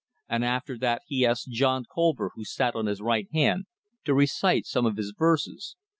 And after that he asked John Colver, who sat on his right hand, to recite some of his verses.